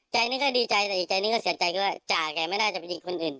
ใจนี้ก็ดีใจแต่อีกใจนี้ก็เสียใจด้วยจ่าแกไม่น่าจะไปยิงคนอื่น